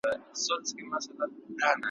له مخلوق څخه ګوښه تر ښار دباندي ,